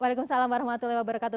waalaikumsalam warahmatullahi wabarakatuh